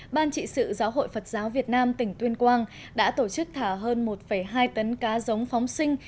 ban trị sự giáo hội phật giáo việt nam tỉnh tuyên quang đã tổ chức thả hơn một hai tấn cá giống phóng sinh